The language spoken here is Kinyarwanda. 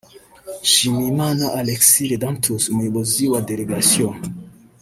Nshimiyimana Alexis Redamptus (Umuyobozi wa Delegasiyo)